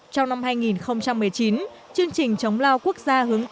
trong năm hai nghìn một mươi chín chương trình chống lao quốc gia hướng tới